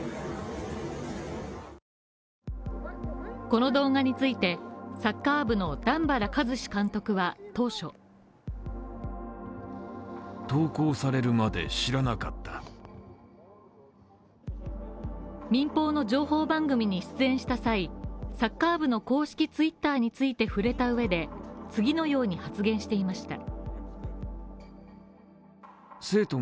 この動画についてサッカー部の段原一詞監督は当初民放の情報番組に出演した際、サッカー部の公式ツイッターについて触れたうえで、次のように発言していました。